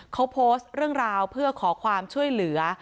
เขาโพสต์เรื่องราวเพื่อขอความช่วยเหลือ